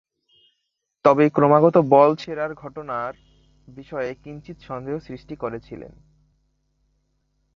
তবে ক্রমাগত বল ছোঁড়ার ঘটনার বিষয়ে কিঞ্চিৎ সন্দেহ সৃষ্টি করেছিলেন।